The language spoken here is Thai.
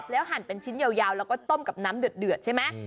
หั่นเป็นชิ้นยาวแล้วก็ต้มกับน้ำเดือดใช่ไหม